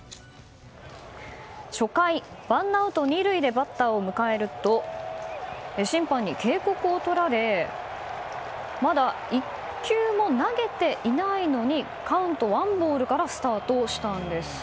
初回、ワンアウト２塁でバッターを迎えると審判に警告をとられまだ１球も投げていないのにカウント、ワンボールからスタートしたんです。